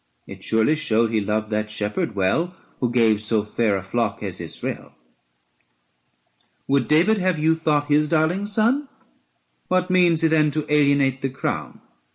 430 It surely showed, He loved the shepherd well Who gave so fair a flock as Israel. Would David have you thought his darling son? What means he then to alienate the crown?